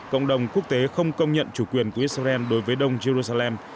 cộng đồng quốc tế không công nhận chủ quyền của israel đối với đông jerusalem